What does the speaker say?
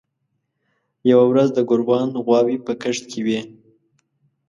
یوه ورځ د ګوروان غواوې په کښت کې وې.